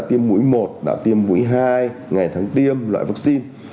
thông tin các mũi tiêm ví dụ như đã tiêm mũi một đã tiêm mũi hai ngày tháng tiêm loại vaccine